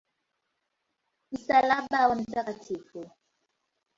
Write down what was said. Msalaba wa Mt.